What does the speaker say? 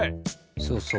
そうそう。